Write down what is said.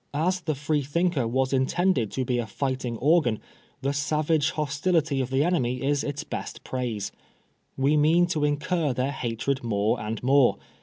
As the Freethinker was intended to be a fighting organ, the sayage hostility of the enemy is its best praise. We mean to incur their hatred more and more.